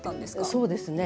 そうですね